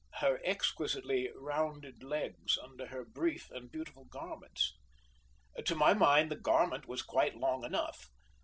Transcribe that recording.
her exquisitely rounded legs under her brief and beautiful garments. To my mind the garment was quite long enough.